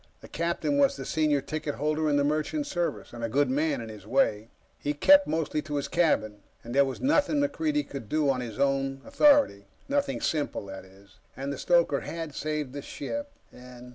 The captain was the senior ticket holder in the Merchant Service, and a good man, in his day. He kept mostly to his cabin. And there was nothing MacReidie could do on his own authority nothing simple, that is. And the stoker had saved the ship, and